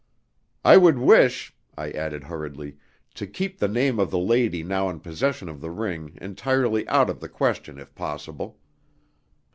"I would wish," I added hurriedly, "to keep the name of the lady now in possession of the ring entirely out of the question if possible.